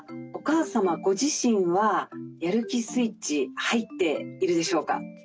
お母様ご自身はやる気スイッチ入っているでしょうか？